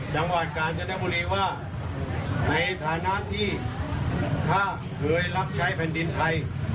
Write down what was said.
จังหวัดกาญจนบุรีว่าในฐานะที่ถ้าเคยรับใช้แผ่นดินไทย